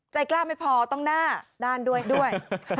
ใจกล้าไม่พอต้องหน้าด้านด้วยด้วย